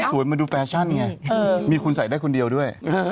มาดูแฟชั่นไงมีคุณใส่ได้คนเดียวด้วย